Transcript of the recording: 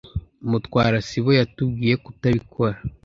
Mutwara sibo yatubwiye kutabikora.